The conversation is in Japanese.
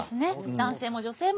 男性も女性も。